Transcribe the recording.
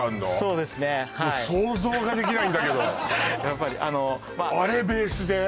そうですねはいもう想像ができないんだけどやっぱりあのあれベースで？